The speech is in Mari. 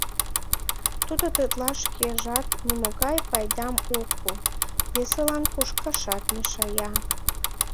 Тудо тетла шкежат нимогай пайдам ок пу, весылан кушкашат мешая.